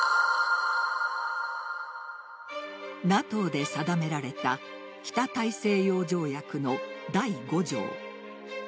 ＮＡＴＯで定められた北大西洋条約の第５条。